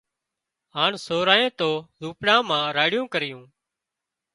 هانَ سورانئين تو زوپڙا مان راڙيون ڪريون